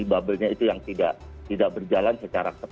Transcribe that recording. itu yang bisa kemungkinan terkait dengan penyebaran covid